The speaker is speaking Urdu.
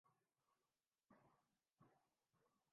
ان میں سے بعض وہ ہیں جن کا تعلق اجتماعیت سے ہے۔